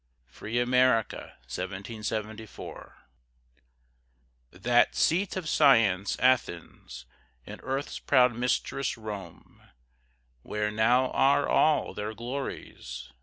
FREE AMERICA That seat of Science, Athens, And earth's proud mistress, Rome; Where now are all their glories?